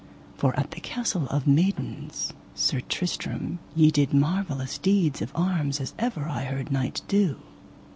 For at the Castle of Maidens, Sir Tristram, ye did marvellous deeds of arms as ever I heard knight do.